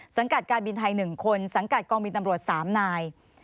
สังกัดการบินไทย๑คนสังกัดกองบินตำรวจ๓นาย